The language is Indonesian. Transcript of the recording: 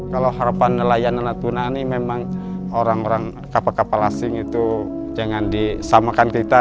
kalau harapan nelayan natuna ini memang orang orang kapal kapal asing itu jangan disamakan kita